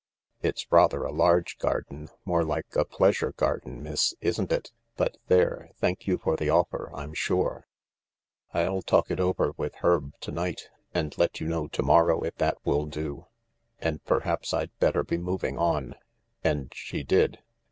"It's rather a large garden — more like a pleasure garden, miss, isn't it ? But there, thank you for the offer, I'm sure. I'll talk it over with Herb to night and let you know to morrow, if that will do. And perhaps I'd better be moving on." And she did.